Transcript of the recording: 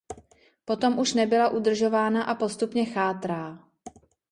Potom už nebyla udržována a postupně chátrá.